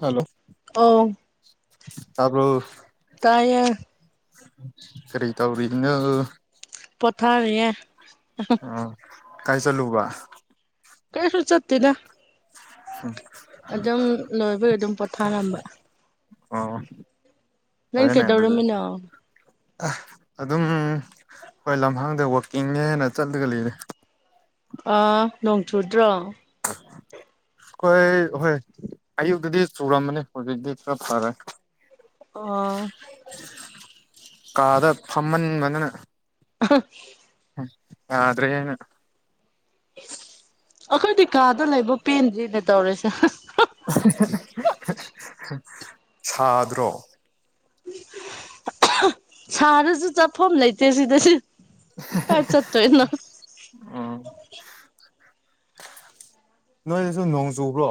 hello ꯑꯧ ꯇꯥꯕꯔꫭ ꯇꯥꯏꯌꯦ ꯀꯔꯤ ꯇꯧꯔꯤꯅꫭ ꯄꯣꯊꯥꯔꯤꯌꯦ [unintelligible] ꯎꯝ ꯀꯥꯏ ꯆꯠꯂꯨꯕ ꯀꯩꯁꯨ ꯆꯠꯇꯦꯗ ꯑꯗꯨꯝ ꯂꯣꯏꯕꯩ ꯑꯗꯨꯝ ꯄꯣꯊꯥꯔꯝꯕ ꯑ ꯅꯪ ꯐꯔꯦꯅꯦ ꯑꯗꯨꯗꯤ ꯀꯩꯗꯧꯔꯝꯃꯤꯅꯣ ꯑꯗꯨꯝ ꯍꯣꯏ ꯂꯝꯍꯥꯡꯗ ꯋꯥꯛꯀꯤꯡꯅꯦꯅ ꯆꯠꯂꯒ ꯂꯩꯔꯦ ꯑꯥ ꯅꯣꯡꯆꯨꯗ꯭ꯔꯣ [unintelligible] ꯑꯩꯈꯣꯏ ꯍꯣꯏ ꯑꯌꯨꯛꯇꯗꯤ ꯆꯨꯔꯝꯃꯅꯤ ꯍꯧꯖꯤꯛꯇꯤ ꯈꯔ ꯐꯔꯦ ꯑꯣ ꯀꯥꯗ ꯐꯝꯃꯟꯃꯒꯗꯅ ꯑꯍ ꯌꯥꯗꯔꯦꯅ ꯑꯩꯈꯣꯏꯗꯤ ꯀꯥꯗ ꯂꯩꯕ ꯄꯦꯟꯗ꯭ꯔꯤꯅꯦ ꯇꯧꯔꯤꯁꯦ ꯁꯥꯗ꯭ꯔꯣ ꯁꯥꯔꯁꯨ ꯆꯠꯐꯝ ꯂꯩꯇꯦ ꯁꯤꯗꯁꯨ [unintelligible] ꯎꯝ ꯅꯣꯏꯁꯨ ꯅꯣꯡ ꯆꯨꯕ꯭ꯔꯣ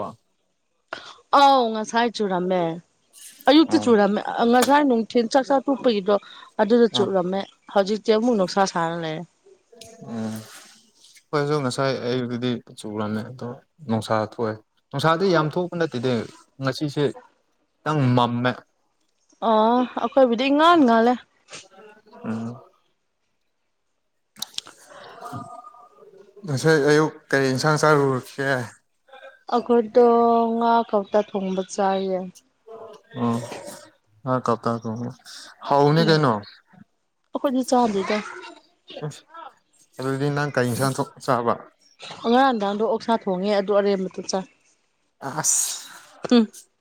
ꯑꯥꯎ ꯉꯁꯥꯏ ꯆꯨꯔꯝꯃꯦ ꯑꯌꯨꯛꯇ ꯎꯝ ꯆꯨꯔꯝꯃꯦ ꯉꯁꯥꯏ ꯅꯨꯡꯊꯤꯟ ꯆꯥꯛ ꯆꯥꯛ ꯇꯨꯞꯄꯒꯤꯗꯣ ꯑꯗꯨꯗ ꯎꯝ ꯆꯨꯞꯂꯝꯃꯦ ꯍꯧꯖꯤꯛꯇ ꯑꯃꯨꯛ ꯅꯨꯡꯁꯥ ꯁꯥꯔꯂꯩꯔꯦ ꯎꯝ ꯑꯩꯉꯣꯏꯁꯨ ꯉꯁꯥꯏ ꯑꯩꯌꯨꯛꯇꯗꯤ ꯆꯨꯨꯔꯝꯃꯦ ꯑꯗꯣ ꯅꯨꯡꯁꯥ ꯊꯣꯛꯑꯦ ꯅꯨꯡꯁꯥꯗꯤ ꯌꯥꯝ ꯊꯣꯛꯄ ꯅꯠꯇꯦꯗꯤ ꯉꯁꯤꯁꯦ ꯈꯤꯇꯪ ꯃꯝꯃꯦ ꯑ ꯑꯩꯈꯣꯏꯕꯨꯗꯤ ꯢꯉꯥꯟ ꯉꯜꯂꯦ ꯎꯝ ꯉꯁꯥꯏ ꯑꯌꯨꯛ ꯀꯔꯤ ꯏꯟꯁꯥꯡ ꯆꯥꯔꯨꯔꯁꯒꯦ ꯑꯩꯈꯣꯏꯗꯣ ꯉꯥ ꯈꯧꯇ ꯊꯣꯡꯕ ꯆꯥꯏꯌꯦ ꯎꯝ ꯉꯥ ꯀꯧꯇꯥ ꯊꯣꯛꯕ ꯍꯥꯎꯅꯤ ꯀꯩꯅꯣ ꯑꯣꯈꯣꯏꯗꯤ ꯆꯥꯗꯔꯤꯗ ꯑ ꯑꯗꯨꯗꯤ ꯅꯪ ꯀꯔꯤ ꯏꯟꯁꯥꯡꯊꯣꯛ ꯆꯥꯕ ꯑꯣ ꯉꯔꯥꯡꯅꯨꯗꯥꯛꯗꯣ ꯑꯣꯛꯁꯥ ꯊꯣꯡꯉꯦ ꯑꯗꯨ ꯑꯔꯦꯝꯕꯇ ꯆꯥꯏ ꯎꯝ ꯑꯁ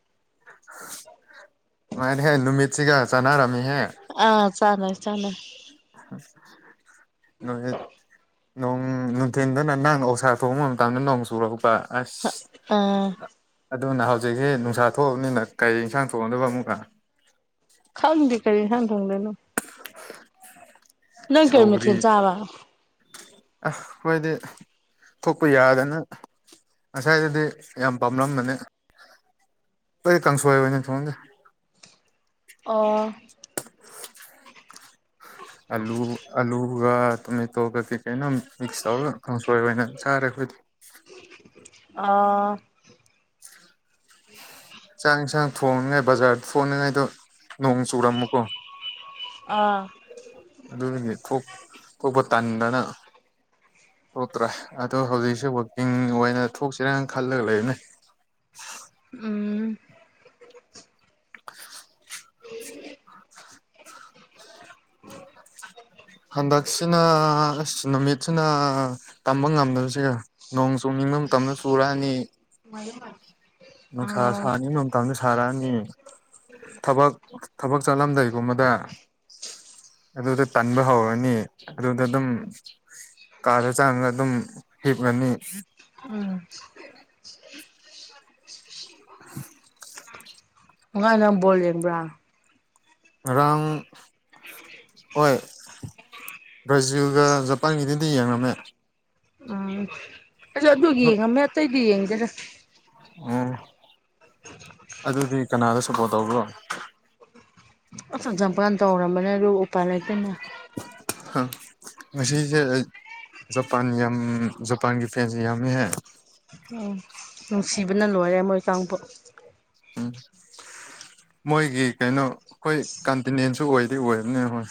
ꯅꯨꯉꯥꯏꯔꯦꯍꯦ ꯅꯨꯃꯤꯠꯁꯤꯒ ꯆꯥꯟꯅꯔꯝꯃꯤꯍꯦ ꯑꯥ ꯆꯟꯅꯩ ꯆꯟꯅꯩ ꯅꯨꯃꯤꯠ ꯅꯣꯡ ꯅꯨꯡꯊꯤꯟꯗꯅ ꯅꯪꯅ ꯑꯁꯥ ꯊꯣꯡꯕ ꯃꯇꯝꯗ ꯅꯣꯡ ꯆꯨꯔꯛꯄ ꯑꯁ ꯍ ꯇꯥ ꯑꯗꯨꯅ ꯍꯧꯖꯤꯛꯁꯤ ꯅꯨꯡꯁꯥ ꯊꯣꯛꯑꯕꯅꯤꯅ ꯀꯔꯤ ꯏꯟꯁꯥꯡ ꯊꯣꯛꯗꯨꯏꯕ ꯑꯃꯨꯛꯀ ꯈꯪꯗꯦ ꯀꯔꯤ ꯏꯟꯖꯥꯐ ꯊꯣꯡꯗꯨꯏꯅꯣ [unintelligible] ꯅꯪ ꯀꯩꯃꯊꯦꯜ ꯁꯧꯒ꯭ꯔꯤ ꯆꯥꯕ ꯑꯁ ꯍꯣꯏꯗꯤ ꯊꯣꯛꯄ ꯌꯥꯗꯅ ꯉꯁꯥꯏꯗꯗꯤ ꯌꯥꯝ ꯄꯥꯝꯂꯝꯕꯅꯦ ꯀꯣꯏ ꯀꯥꯡꯁꯣꯏꯅꯤ ꯊꯣꯡꯒꯦꯗ ꯑꯣ ꯑꯂꯨ ꯑꯂꯨꯒ ꯇꯣꯃꯦꯇꯣ ꯒ ꯀꯩ ꯀꯩꯅꯣ ꯃꯤꯛꯁ ꯇꯧꯔ ꯀꯥꯛꯁꯣꯏ ꯀꯥꯛꯁꯣꯏ ꯑꯣꯏꯅ ꯆꯥꯔꯦ ꯑꯩꯈꯣꯏꯗꯤ ꯑ ꯆꯥꯡ ꯏꯟꯁꯥꯡ ꯊꯣꯡꯅꯉꯥꯏ ꯕꯖꯥꯔꯗ ꯊꯣꯡꯅꯉꯥꯏꯗꯣ ꯅꯣꯡ ꯆꯨꯔꯝꯃꯨꯀꯣ ꯑꯥ ꯑꯗꯨꯒꯤꯗꯤ ꯊꯣꯛ ꯊꯣꯛꯄ ꯇꯟꯗꯅ ꯊꯣꯛꯇ꯭ꯔꯥ ꯑꯗꯣ ꯍꯧꯖꯤꯛꯁꯦ ꯋꯥꯛꯀꯤꯡ ꯑꯣꯏꯅ ꯊꯣꯛꯁꯤꯔꯅ ꯈꯜꯂꯒ ꯂꯩꯕꯅꯦ ꯎꯝ [inaudible] [inaudible] ꯍꯟꯗꯛꯁꯤꯅ ꯑꯁ ꯅꯨꯃꯤꯠꯁꯤꯅ ꯇꯝꯕ ꯉꯝꯗꯕꯥꯁꯦ ꯅꯣꯡ ꯆꯣꯡꯅꯤꯡꯕ ꯃꯇꯝꯗ ꯆꯨꯔꯛꯑꯅꯤ [unintelligible] ꯅꯨꯡꯁꯥ ꯑꯥ ꯁꯥꯅꯤ ꯃꯇꯝꯁꯨ ꯁꯥꯔꯛꯑꯅꯤ ꯊꯕꯛ ꯊꯕꯛ ꯆꯠꯂꯝꯗꯥꯏꯒꯨꯝꯕꯗ ꯑꯗꯨꯗ ꯇꯟꯕ ꯍꯧꯔꯅꯤ ꯑꯗꯨꯗ ꯑꯗꯨꯝ ꯀꯥꯗ ꯆꯥꯡꯉꯒ ꯑꯗꯨꯝ ꯍꯤꯞꯂꯅꯤ ꯎꯝ [unintelligible] [inaudible] ꯉꯥꯏ ꯅꯪ ꯕꯣꯜ ꯌꯦꯡꯕ꯭ꯔꯥ ꯉꯥꯔꯥꯡ ꯍꯣꯏ ꯕ꯭ꯔꯥꯖꯤꯜꯒ ꯖꯄꯥꯟꯒꯤꯗꯤꯗꯤ ꯌꯦꯡꯉꯝꯃꯦ ꯎꯝ ꯑꯁ ꯑꯗꯨ ꯌꯦꯡꯉꯝꯃꯦ ꯑꯇꯩꯗꯤ ꯌꯦꯡꯗꯦꯔꯥ ꯑꯣ ꯑꯗꯨꯗꯤ ꯀꯅꯥꯗ ꯁꯄꯣꯔꯠ ꯇꯧꯕ꯭ꯔꯣ [unintelligible] ꯖꯝꯄꯀꯥꯟ ꯇꯧꯔꯝꯕꯅꯦ ꯔꯨꯕꯨ ꯎꯄꯥꯏ ꯂꯩꯇꯦꯅꯦ ꯍꯥ ꯉꯥꯁꯤꯁꯦ ꯑꯩ ꯖꯄꯥꯟ ꯌꯥꯝ ꯖꯄꯥꯟꯒꯤ ꯐꯦꯟꯁ ꯌꯥꯝꯃꯦ ꯍꯦ ꯎꯝ ꯅꯨꯡꯁꯤꯕꯅ ꯂꯣꯏꯔꯦ ꯃꯣꯏ ꯆꯥꯡꯕꯨ ꯎꯝ ꯃꯣꯏꯒꯤ ꯀꯩꯅꯣ ꯑꯈꯣꯏ ꯀꯟꯇꯤꯅꯦꯟꯁꯨ ꯑꯣꯏꯗꯤ ꯑꯣꯏꯕꯅꯦ ꯍꯣꯏ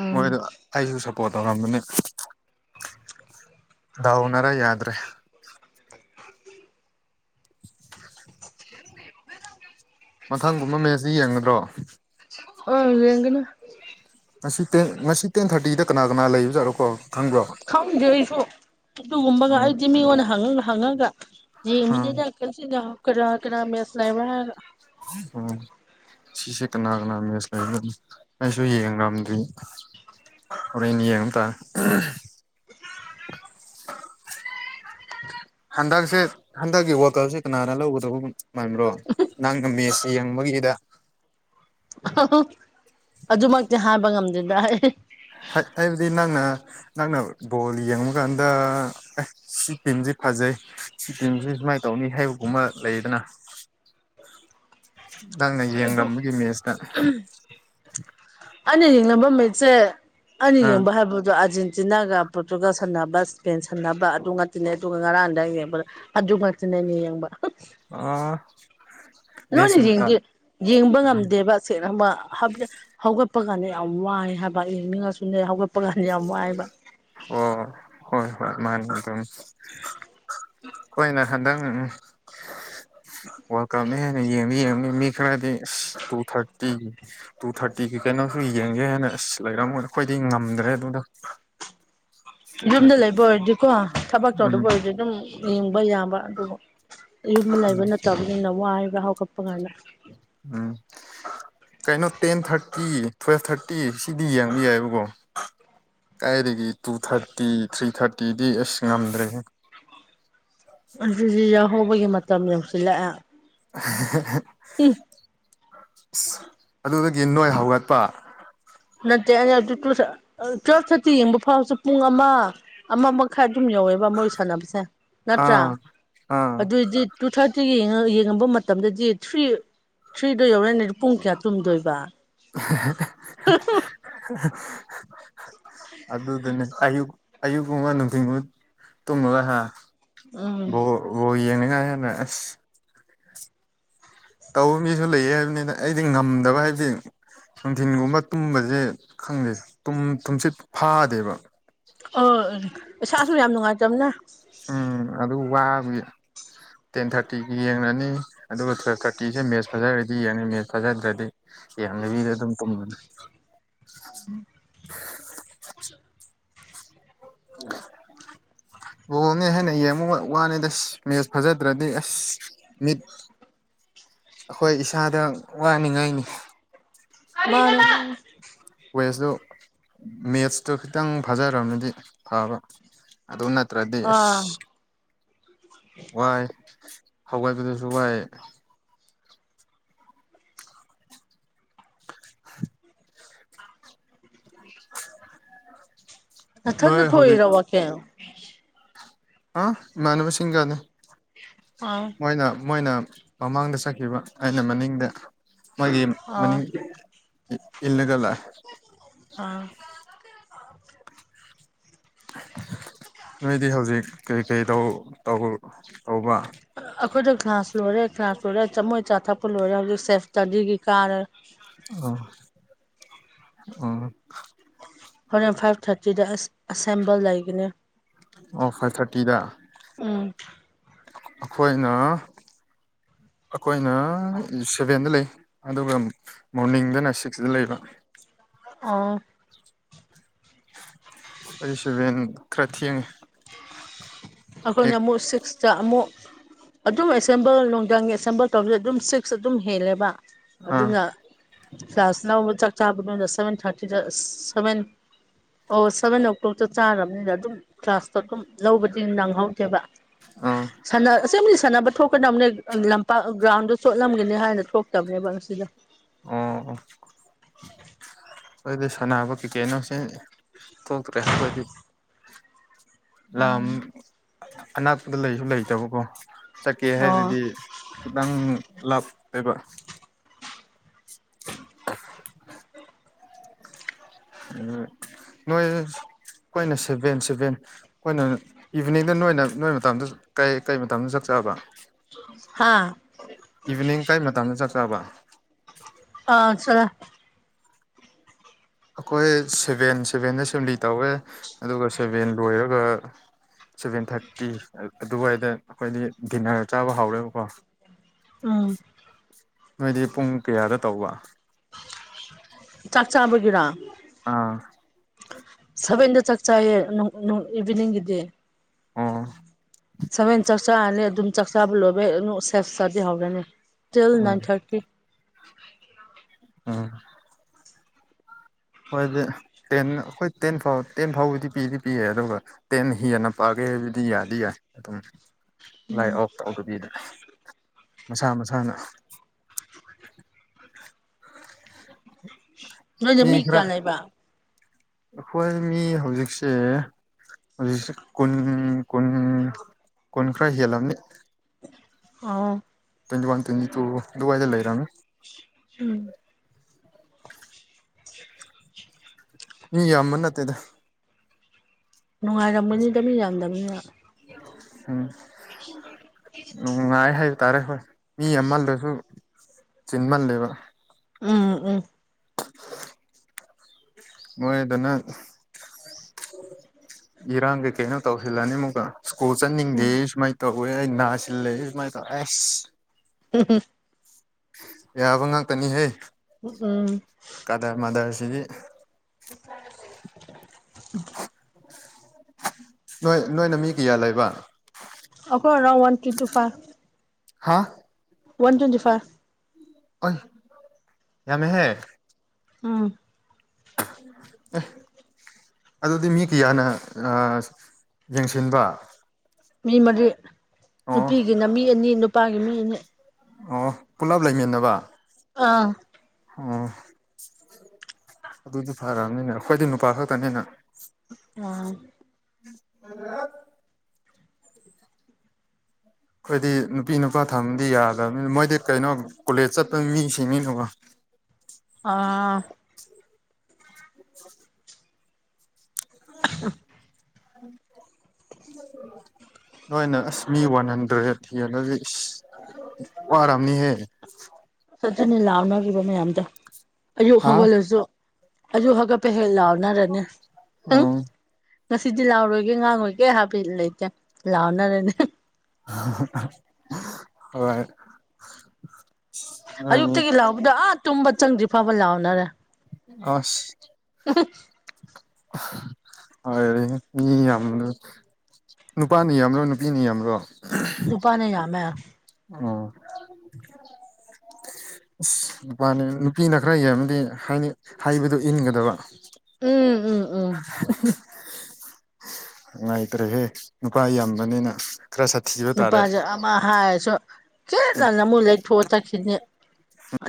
ꯎꯝ ꯃꯣꯏꯗ ꯑꯩꯁꯨ ꯁꯕ ꯄꯣꯇꯧꯔꯝꯕꯅꯤ ꯗꯥꯎꯅꯔ ꯌꯥꯗ꯭ꯔꯦ ꯃꯊꯪꯒꯨꯝꯕ ꯃꯦꯁꯇꯤ ꯌꯦꯡꯒꯗ꯭ꯔꯣ [unintelligible] ꯉꯁꯤ ꯇꯦꯟ ꯉꯁꯤ ꯇꯦꯟ ꯊꯥꯔꯇꯤꯗ ꯀꯅꯥ ꯀꯅꯥ ꯂꯩꯕꯖꯠꯔꯣꯀꯣ ꯈꯪꯕ꯭ꯔꯣ ꯈꯪꯗꯦ ꯑꯩꯁꯨ ꯑꯗꯨꯒꯨꯝꯕꯒ ꯎꯝ ꯑꯩꯗꯤ ꯃꯤꯉꯣꯟꯗ ꯍꯪꯉ ꯍꯪꯉꯒ ꯎꯝ ꯌꯦꯡꯕꯅꯤꯗꯥ [unintelligible] ꯀꯔꯥ ꯀꯥꯅꯥ ꯃꯦꯁ ꯂꯩꯕꯔꯥ ꯍꯥꯏꯔꯒꯥ ꯎꯝ ꯁꯤꯁꯦ ꯀꯅꯥ ꯀꯅꯥ ꯃꯦꯁ ꯂꯩꯕꯣ ꯑꯩꯁꯨ ꯌꯦꯡ ꯉꯝꯗ꯭ꯔꯤ ꯍꯣꯔꯦꯟꯅꯤ ꯌꯦꯉꯇꯥꯏ [unintelligible] ꯍꯟꯗꯛꯁꯦ ꯍꯟꯗꯛꯀꯤ ꯋꯥꯀꯞꯁꯦ ꯀꯅꯥꯅ ꯂꯧꯒꯗꯕ ꯃꯕ꯭ꯔꯣ ꯅꯪꯅꯥ ꯃꯦꯁꯤ ꯌꯦꯡꯕꯒꯤꯗ ꯑꯗꯨꯃꯛꯇꯤ ꯍꯥꯏꯕ ꯉꯝꯗꯦꯗ [unintelligible] ꯍꯥꯏ ꯍꯥꯏꯕꯗꯤ ꯅꯪꯅ ꯅꯪꯅ ꯕꯣꯜ ꯌꯦꯡꯕ ꯀꯥꯟꯗ ꯁꯤ ꯇꯤꯝꯁꯤ ꯐꯖꯩ ꯁꯤ ꯇꯤꯝꯁꯤ ꯁꯨꯃꯥꯏꯅ ꯇꯧꯅꯤ ꯍꯥꯏꯕꯒꯨꯝꯕ ꯂꯩꯗꯅ ꯅꯪꯅ ꯌꯦꯡ ꯂꯝꯕꯥꯒꯤ ꯃꯦꯁꯇ ꯑꯅꯤ ꯌꯦꯡꯅꯕ ꯃꯤꯠꯁꯦ ꯑꯅꯤ ꯑꯥ ꯌꯦꯡꯕ ꯍꯥꯏꯕꯗꯣ ꯑꯥꯖꯦꯟꯇꯤꯅꯥꯒ ꯄꯣꯔꯇꯨꯒꯜ ꯁꯅꯥꯕꯁ ꯄꯦꯟꯁꯟꯅꯕ ꯑꯗꯨ ꯉꯥꯇꯅꯦ ꯑꯗꯨꯒ ꯉꯔꯥꯡꯗ ꯌꯦꯡꯕꯗ ꯑꯗꯨ ꯉꯥꯇꯅꯦ ꯃꯤ ꯌꯦꯡꯕ ꯑꯥ ꯂꯣꯏꯅ ꯌꯦꯡꯗꯦ ꯌꯦꯡꯕ ꯉꯝꯗꯦꯕ [unintelligible] ꯍꯧꯒꯞꯄꯒꯅꯦ ꯌꯥꯝ ꯋꯥꯏ ꯍꯥꯏꯕ ꯌꯦꯡꯅꯤꯡꯉꯁꯨꯅꯦ ꯍꯧꯒꯞꯄꯒꯥꯟ ꯌꯥꯝ ꯋꯥꯏꯑꯕ ꯑꯣ ꯍꯣꯏ ꯍꯣꯏ ꯃꯥꯅꯤ ꯑꯗꯨꯅꯤ ꯈꯣꯏꯅ ꯍꯟꯗꯪ ꯋꯥꯜꯗ ꯀꯞꯅ ꯍꯦꯟꯅ ꯌꯦꯡꯅꯤ ꯌꯦꯡꯅꯤ ꯃꯤ ꯈꯔꯗꯤ ꯑꯁ ꯇꯨ ꯊꯥꯔꯇꯤꯒꯤ ꯇꯨ ꯊꯥꯔꯇꯤꯒꯤ ꯀꯩꯅꯣꯁꯨ ꯌꯦꯡꯒꯦ ꯍꯥꯏꯅ ꯑꯁ ꯂꯩꯔꯝꯒꯅꯤ ꯈꯣꯏꯗꯤ ꯉꯝꯗ꯭ꯔꯦ ꯑꯗꯨꯗꯣ [inaudible] ꯌꯨꯝꯗ ꯂꯩꯕ ꯑꯣꯏꯔꯗꯤꯀꯣ ꯊꯕꯛ ꯎꯝ ꯇꯧꯗꯕ ꯑꯣꯏꯔꯗꯤ ꯗꯨꯝ ꯌꯦꯡꯕ ꯌꯥꯕ ꯑꯗꯨꯕꯨ ꯌꯨꯝꯕ ꯂꯩꯕ ꯅꯠꯇꯕꯅꯤꯅ ꯋꯥꯏꯕ ꯍꯧꯒꯠꯄ ꯒꯥꯟꯗ ꯎꯝ ꯀꯩꯅꯣ ꯇꯦꯟ ꯊꯥꯔꯇꯤ ꯇꯨꯋꯦꯜꯐ ꯊꯥꯔꯇꯤ ꯁꯤꯗꯤ ꯌꯦꯡꯕ ꯌꯥꯏꯕꯀꯣ ꯀꯥꯏꯗꯒꯤ ꯇꯨ ꯊꯥꯔꯇꯤ ꯊ꯭ꯔꯤ ꯊꯥꯔꯇꯤꯗꯤ ꯑꯁ ꯉꯝꯗ꯭ꯔꯦꯍꯦ ꯑꯖꯤꯖꯤ ꯌꯥꯎꯍꯧꯕꯒꯤ ꯃꯇꯝ ꯌꯧꯁꯤꯜꯂꯦꯑꯦ ꯑꯁ ꯑꯗꯨꯗꯒꯤ ꯅꯣꯏ ꯍꯧꯒꯠꯄ ꯅꯠꯇꯦ ꯑꯩꯅ ꯍꯥꯏꯕꯗꯤ ꯇꯨ ꯊꯥ ꯇꯨꯋꯦꯜꯞ ꯊꯥꯔꯇꯤ ꯌꯦꯡꯕ ꯐꯥꯎꯁꯨ ꯄꯨꯡ ꯑꯃ ꯑꯃ ꯃꯈꯥꯏ ꯑꯗꯨꯝ ꯌꯧꯋꯦꯕ ꯃꯣꯏ ꯁꯥꯟꯅꯕꯁꯦ ꯅꯠꯇ꯭ꯔꯥ ꯑꯥ ꯑꯥ ꯑꯗꯨꯏꯗꯤ ꯇꯨ ꯊꯥꯔꯇꯤꯒꯤ ꯌꯦꯡꯉꯒ ꯌꯦꯡꯉꯝꯕ ꯃꯇꯝꯗꯗꯤ ꯊ꯭ꯔꯤ ꯊ꯭ꯔꯤꯗ ꯌꯧꯔꯅꯤ ꯄꯨꯡ ꯀꯌꯥ ꯇꯨꯝꯗꯣꯏꯕ ꯑꯗꯨꯗꯅꯦ [unintelligible] ꯑꯌꯨꯛꯒꯨꯝꯕ ꯅꯨꯡꯊꯤꯟ [unintelligible] ꯇꯨꯝꯃꯒꯥ ꯍꯥ ꯎꯝ ꯕꯣꯜ ꯕꯣꯜ ꯌꯦꯡꯅꯉꯥꯏ ꯍꯥꯏꯅ ꯑꯁ ꯇꯧꯕ ꯃꯤꯖꯨ ꯂꯩꯌꯦ ꯍꯥꯏꯕꯅꯤꯅ ꯑꯩꯗꯤ ꯉꯝꯗꯕ ꯍꯥꯏꯕꯗꯤ ꯅꯨꯡꯊꯤꯟꯒꯨꯝꯕ ꯇꯨꯝꯕꯖꯦ ꯈꯪꯗꯦ ꯇꯨꯝ ꯇꯨꯝꯁꯤꯠ ꯐꯥꯗꯦꯕ ꯑꯣ ꯑꯦ ꯏꯁꯥꯁꯨ ꯌꯥꯝ ꯅꯨꯡꯉꯥꯏꯇꯝꯅꯦ ꯎꯝ ꯑꯗꯨ ꯋꯥꯕꯒꯤ ꯇꯦꯟ ꯊꯥꯔꯇꯤꯒꯤ ꯌꯦꯡꯔꯅꯤ ꯑꯗꯨꯒ ꯇꯨꯋꯦꯜꯞ ꯊꯥꯔꯇꯤꯖꯦ ꯃꯦꯁ ꯐꯖꯔꯗꯤ ꯌꯦꯡꯅꯤ ꯃꯦꯁ ꯐꯖꯗ꯭ꯔꯗꯤ ꯌꯦꯡꯗꯕꯤꯗ ꯑꯗꯨꯝ ꯇꯨꯝꯃꯅꯤ [unintelligible] ꯕꯣꯜꯅꯦ ꯍꯥꯏꯅ ꯌꯦꯡꯃ ꯋꯥ ꯋꯥꯅꯤꯗꯁ ꯃꯦꯁ ꯐꯖꯗ꯭ꯔꯗꯤ ꯑꯁ ꯃꯤꯠ ꯑꯈꯣꯏ ꯏꯁꯥꯗ ꯋꯥꯅꯤꯉꯥꯏꯅꯤ [unintelligible] ꯋꯦꯁꯗꯨ ꯃꯦꯠꯁꯇꯨ ꯈꯤꯇꯪ ꯐꯥꯖꯔꯝꯃꯗꯤ ꯐꯕ ꯑꯗꯨ ꯅꯠꯇꯔꯗꯤ ꯑꯁ ꯑꯥ ꯋꯥꯏ ꯍꯧꯒꯠꯕꯗꯁꯨ ꯋꯥꯏ ꯅꯊꯟꯗ ꯅꯣꯏ ꯍꯧꯖꯤꯛ ꯊꯣꯏꯔꯣ ꯋꯥꯀꯤꯡ ꯑ ꯏꯃꯥꯟꯅꯕꯁꯤꯡꯒꯅꯦ ꯑꯥ ꯃꯣꯏꯅ ꯃꯣꯏꯅ ꯃꯃꯥꯡꯗ ꯆꯈꯤꯕ ꯑꯩꯅ ꯃꯅꯤꯡꯗ ꯃꯥꯒꯤ ꯑꯥ ꯃꯅꯤꯡ ꯏꯜꯂꯒ ꯂꯥꯑꯦ ꯑꯥ ꯅꯣꯏꯗꯤ ꯍꯧꯖꯤꯛ ꯀꯔꯤꯀꯩ ꯇꯧ ꯇꯧ ꯇꯧꯕ ꯑꯈꯣꯏꯗꯣ ꯒ꯭ꯂꯥꯁ ꯂꯣꯏꯔꯦ ꯀꯂ꯭ꯥꯁ ꯂꯣꯏꯔ ꯆꯃꯣꯏ ꯆꯥ ꯊꯛꯄ ꯂꯣꯏꯔꯦ ꯍꯧꯖꯤꯛ ꯁꯦꯞ ꯏꯁꯇꯗꯤꯒꯤ ꯀꯥꯔꯦ ꯑꯣ ꯑꯪ ꯍꯣꯔꯦꯟ ꯐꯥꯏꯚ ꯊꯥꯔꯇꯤꯗ ꯑꯁ ꯑꯁꯦꯝꯕꯜ ꯂꯩꯒꯅꯤ ꯑꯣ ꯐꯥꯏꯚ ꯊꯥꯔꯇꯤꯗ ꯎꯝ ꯑꯈꯣꯏꯅ ꯑꯈꯣꯏꯅ ꯁꯚꯦꯟꯗ ꯂꯩ ꯑꯗꯨꯒ ꯃꯣꯔꯅꯤꯡꯗꯅ ꯁꯤꯛꯁꯗ ꯂꯩꯕ ꯑꯣ ꯑꯩ ꯁꯚꯦꯟ ꯈ꯭ꯔ ꯊꯦꯡꯉꯦ ꯑꯈꯣꯏꯅ ꯍꯦꯛ ꯑꯃꯨꯛ ꯁꯤꯛꯁꯇꯥ ꯑꯃꯨꯛ ꯑꯗꯨꯝ ꯑꯦꯁꯦꯝꯕꯜ ꯅꯨꯡꯗꯥꯡꯒꯤ ꯑꯦꯁꯦꯝꯕꯜ ꯇꯧꯕꯁꯦ ꯑꯗꯨꯝ ꯁꯤꯛꯁ ꯑꯗꯨꯝ ꯍꯦꯜꯂꯦꯕ ꯑꯥ ꯑꯗꯨꯅ ꯆꯥꯔꯖ ꯂꯧꯕ ꯆꯥꯛ ꯆꯥꯕꯗꯨꯅ ꯁꯚꯦꯟ ꯊꯥꯔꯇꯤꯗ ꯁꯚꯦꯟ ꯑꯣ ꯁꯚꯦꯟ ꯑꯣ ꯀ꯭ꯂꯣꯛꯇꯣ ꯆꯥꯔꯕꯅꯤꯅ ꯑꯗꯨꯝ ꯀ꯭ꯂꯥꯁꯇꯣ ꯑꯗꯨꯝ ꯂꯧꯕ ꯇꯤꯟ ꯅꯪꯍꯧꯗꯦꯕ ꯑꯥ ꯑꯣ ꯁꯅꯥ ꯑꯁꯦꯡꯕꯗꯤ ꯁꯥꯟꯅꯕ ꯊꯣꯛꯀꯥꯗꯕꯅꯦ ꯂꯝꯄꯥꯛ ꯒ꯭ꯔꯥꯎꯟꯗꯣ ꯆꯣꯠꯂꯝꯒꯅꯤ ꯍꯥꯏꯅ ꯊꯣꯛꯇꯕꯅꯦꯕ ꯉꯁꯤꯗꯣ ꯑꯣ ꯑꯣ ꯈꯣꯏꯗꯤ ꯁꯥꯟꯅꯕ ꯀꯩꯀꯦꯅꯣꯁꯤ ꯊꯣꯛꯇ꯭ꯔꯦ ꯑꯈꯣꯏꯗꯤ ꯂꯝ ꯑꯅꯥꯛꯄꯗ ꯂꯩꯁꯨ ꯂꯩꯇꯕꯀꯣ ꯆꯠꯀꯦ ꯑꯣ ꯍꯥꯏꯔꯗꯤ ꯈꯤꯗꯪ ꯂꯥꯞꯄꯦꯕ [unintelligible] ꯎꯝ ꯅꯣꯏ ꯈꯣꯏꯅ ꯁꯚꯦꯟ ꯁꯚꯦꯟ ꯈꯣꯏꯅ ꯏꯚꯤꯅꯤꯡꯗ ꯅꯣꯏꯅ ꯅꯣꯏ ꯃꯇꯝꯗ ꯀꯩ ꯀꯩ ꯃꯇꯝꯗ ꯆꯛ ꯆꯥꯕ ꯍꯥꯥ ꯏꯚꯤꯅꯤꯡ ꯀꯥꯏ ꯃꯇꯝꯗ ꯆꯥꯛ ꯆꯥꯕ ꯑꯥ ꯆꯥꯂꯦ ꯑꯈꯣꯏ ꯁꯦꯚꯦꯟ ꯁꯦꯚꯦꯟꯗ ꯑꯦꯁꯦꯝꯕ꯭ꯂꯤ ꯇꯧꯋꯦ ꯑꯗꯨꯒ ꯁꯦꯚꯦꯟ ꯂꯣꯏꯔꯒ ꯁꯚꯦꯟ ꯊꯥꯔꯇꯤ ꯑꯗꯨꯋꯥꯏꯗ ꯑꯩꯈꯣꯏꯗꯤ ꯗꯤꯟꯅꯔ ꯆꯥꯕ ꯍꯧꯔꯦꯕꯀꯣ ꯎꯝ ꯅꯣꯏꯗꯤ ꯄꯨꯡ ꯀꯌꯥꯗ ꯇꯧꯕ ꯆꯥꯛ ꯆꯥꯕꯒꯤꯔꯥ ꯑꯥ ꯁꯚꯦꯟꯗꯣ ꯆꯥꯛ ꯆꯥꯏꯌꯦ ꯅꯨꯡ ꯅꯨꯡ ꯏꯚꯤꯅꯤꯡꯒꯤꯗꯤ ꯑꯣ ꯁꯚꯦꯟ ꯆꯥꯛ ꯆꯥꯔꯅꯤ ꯑꯗꯨꯝ ꯆꯥꯛ ꯆꯥꯕ ꯂꯣꯏꯕꯩ ꯑꯅꯨ ꯁꯦꯞꯁ꯭ꯇꯥꯗꯤ ꯍꯧꯔꯅꯤ till um nine thirty um ꯈꯣꯏꯗꯤ ꯇꯦꯟ ꯑꯈꯣꯏ ꯇꯦꯟ ꯐꯥꯎ ꯇꯦꯟ ꯐꯥꯎꯕꯗꯤ ꯄꯤꯗꯤ ꯄꯤꯌꯦ ꯑꯗꯨꯒ ꯇꯦꯟ ꯍꯦꯟꯅ ꯄꯥꯒꯦ ꯍꯥꯏꯕꯗꯤ ꯌꯥꯗꯤ ꯌꯥꯏ ꯑꯗꯨꯝ ꯂꯥꯏꯠ ꯑꯣꯐ ꯇꯧꯗꯕꯤꯗ ꯃꯁꯥ ꯃꯁꯥꯅ ꯅꯣꯏꯗ ꯃꯤ ꯀꯌꯥ ꯂꯩꯕ꯭ꯔꯥ ꯑꯈꯣꯏ ꯃꯤ ꯍꯧꯖꯤꯛꯁꯦ ꯍꯧꯖꯤꯛꯁꯦ ꯀꯨꯟ ꯀꯨꯟ ꯀꯨꯟ ꯈ꯭ꯔꯥ ꯍꯦꯜꯂꯝꯅꯤ ꯑꯣ ꯇ꯭ꯋꯦꯟꯇꯤ ꯋꯥꯟ ꯇ꯭ꯋꯦꯟꯇꯨ ꯑꯗꯨꯋꯥꯏꯗ ꯂꯩꯔꯥꯝꯃꯤ ꯎꯝ ꯃꯤ ꯌꯥꯝꯕ ꯅꯠꯇꯦꯗ ꯅꯨꯡꯉꯥꯏꯔꯝꯒꯅꯤꯗ ꯃꯤ ꯌꯥꯝꯗꯕꯅꯤꯅ ꯎꯝ ꯅꯨꯡꯉꯥꯏ ꯍꯥꯏꯕ ꯇꯥꯔꯦ ꯍꯣꯏ ꯃꯤ ꯌꯥꯝꯃꯥꯜꯂꯁꯨ ꯆꯤꯟꯃꯜꯂꯦꯕ ꯎꯝ ꯎꯝ ꯃꯣꯏ ꯑꯗꯨꯅ ꯏꯔꯥꯡ ꯀꯩ ꯀꯩꯅꯣ ꯇꯧꯁꯤꯜꯂꯅꯤ ꯑꯃꯨꯛꯀ ꯁ꯭ꯀꯨꯜ ꯆꯠꯅꯤꯡꯗꯦ ꯎꯝ ꯁꯨꯃꯥꯏꯅ ꯇꯧꯋꯦ ꯑꯩ ꯅꯥꯁꯤꯜꯂꯦ ꯁꯨꯃꯥꯏꯅ ꯇꯧꯋꯦ ꯑꯁ [unintelligible] ꯌꯥꯕ ꯉꯥꯛꯇꯅꯤꯍꯦ ꯎ ꯎꯝ ꯀꯗꯥꯥꯔ ꯃꯗꯔꯁꯤꯗꯤ [unintelligible] ꯅꯣꯏ ꯅꯣꯏꯅ ꯃꯤ ꯀꯌꯥ ꯂꯩꯕ ꯑꯩꯈꯣꯏꯔꯥꯎ ꯋꯥꯟ ꯇꯣꯟꯇꯤ ꯐꯥꯏꯚ ꯍꯥꯥ ꯋꯥꯟ ꯇ꯭ꯋꯦꯟꯇꯤ ꯐꯥꯏꯚ ꯑ ꯌꯥꯃꯦꯍꯦ ꯎꯝ ꯑꯦ ꯑꯗꯨꯗꯤ ꯃꯤ ꯀꯌꯥꯅ ꯌꯦꯡꯁꯤꯟꯕ ꯃꯤ ꯃꯔꯤ ꯑꯣ ꯅꯨꯄꯤꯒꯤꯅ ꯃꯤ ꯑꯅꯤ ꯅꯨꯄꯥꯒꯤ ꯃꯤ ꯑꯅꯤ ꯑꯣ ꯄꯨꯂꯞ ꯂꯩꯃꯤꯟꯅꯕ ꯑꯥ ꯑꯣ ꯑꯗꯨꯗꯤ ꯐꯔꯕꯅꯤꯅꯦ ꯑꯩꯈꯣꯏꯗꯤ ꯅꯨꯄꯥ ꯈꯛꯇꯅꯤꯅ ꯑꯥ ꯑꯩꯈꯣꯏꯗꯤ ꯅꯨꯄꯤ ꯅꯨꯄꯥ ꯊꯝꯗꯤ ꯌꯥꯗꯕꯅꯤꯅ ꯃꯣꯏꯗꯤ ꯀꯩꯅꯣ ꯀꯣꯂꯦꯖ ꯆꯠꯄ ꯃꯤ ꯁꯤꯅꯤꯅꯀꯣ ꯑꯥ [inaudible] ꯅꯣꯏꯅ ꯑꯁ ꯃꯤ ꯋꯥꯟ ꯍꯟꯗ꯭ꯔꯦꯠ ꯍꯦꯟꯂꯗꯤ ꯏꯁ ꯋꯥꯔꯝꯅꯤ ꯍꯦ ꯑꯗꯨꯅꯤ ꯂꯥꯎꯅꯈꯤꯕ ꯃꯌꯥꯝꯗꯣ ꯑꯌꯨꯛ ꯍꯥ ꯍꯧꯒꯠꯂꯁꯨ ꯑꯌꯨꯛ ꯍꯧꯒꯄꯩ ꯍꯦꯛ ꯍꯦꯛ ꯂꯥꯎꯅꯔꯤꯅꯤ ꯑꯣ ꯉꯁꯤꯗꯤ ꯂꯥꯎꯔꯣꯏꯒꯦ ꯉꯥꯡꯉꯣꯏꯒꯦ ꯍꯥꯏꯕ ꯂꯩꯇꯦ ꯂꯥꯎꯅꯔꯅꯤ ꯍꯣꯏ ꯅꯣꯏꯅꯤ ꯑꯌꯨꯛꯇꯒꯤ ꯂꯥꯎꯕꯗꯣ ꯑꯥ ꯇꯨꯝꯕ ꯆꯪꯗ꯭ꯔꯤ ꯐꯥꯎꯕ ꯂꯥꯎꯅꯔꯦ ꯑꯁ [unintelligible] ꯐꯔ‌ꯦꯍ‌ꯦ ꯃꯤ ꯌꯥꯝꯅꯤ ꯅꯨꯄꯥꯅ ꯌꯥꯝꯔꯣ ꯅꯨꯄꯤꯅ ꯌꯥꯝꯔꯣ ꯅꯨꯄꯥꯅ ꯌꯥꯝꯃ‌ꯦ ꯑ‌ꯣ ꯑꯁ ꯅꯨꯄꯥꯅꯤ ꯅꯨꯄꯤꯅ ꯈꯔ ꯌꯦꯡꯕꯗꯤ ꯍꯥꯏ ꯍꯥꯏꯕꯗꯨ ꯏꯟꯒꯗꯕ ꯎꯝ ꯎꯝ ꯎꯝ ꯉꯥꯏꯇ꯭ꯔꯦꯍꯦ ꯅꯨꯄꯥ ꯌꯥꯝꯕꯅꯤꯅ ꯈ꯭ꯔꯥ ꯁꯥꯊꯤꯕ ꯇꯥꯔꯦ ꯅꯨꯄꯥꯁꯦ ꯑꯃ ꯍꯥꯏꯔꯁꯨ ꯈꯦꯠꯅ ꯅ ꯑꯃꯨꯛ ꯂꯩꯊꯣꯛꯑ ꯆꯠꯈꯤꯅꯤ